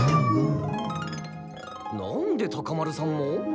なんでタカ丸さんも？